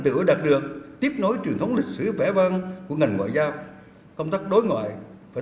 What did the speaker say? tựu đã đạt được tiếp nối truyền thống lịch sử vẽ văn của ngành ngoại giao công tác đối ngoại và